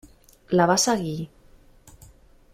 La va seguir.